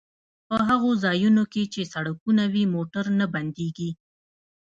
په هغو ځایونو کې چې سړکونه وي موټر نه بندیږي